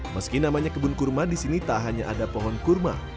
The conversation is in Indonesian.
meski namanya kebun kurma di sini tak hanya ada pohon kurma